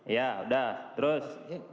ya udah terus